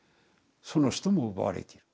その人も奪われている。